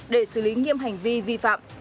để xử lý nghiêm hành vi vi phạm